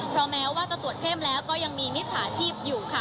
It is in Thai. เพราะแม้ว่าจะตรวจเข้มแล้วก็ยังมีมิจฉาชีพอยู่ค่ะ